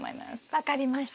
分かりました。